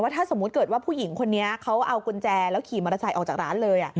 ถ้าสมมุติเกิดว่าผู้หญิงคนนี้เขาเอากุญแจแล้วขี่มอเตอร์ไซค์ออกจากร้านเลย